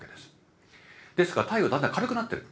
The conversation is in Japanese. ですから太陽だんだん軽くなってる。